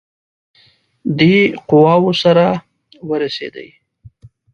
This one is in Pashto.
دی قواوو سره ورسېدی.